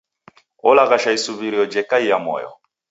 Olaghasha isuw'irio jekaia moyo.